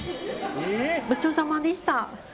ごちそうさまでした。